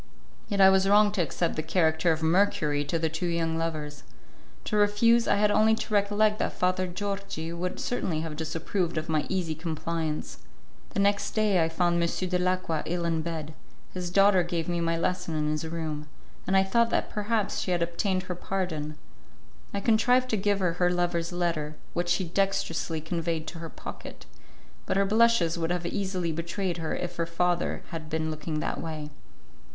Yet I was wrong to accept the character of Mercury to the two young lovers. To refuse, I had only to recollect that Father Georgi would certainly have disapproved of my easy compliance. The next day I found M. Dalacqua ill in bed; his daughter gave me my lesson in his room, and I thought that perhaps she had obtained her pardon. I contrived to give her her lover's letter, which she dextrously conveyed to her pocket, but her blushes would have easily betrayed her if her father had been looking that way.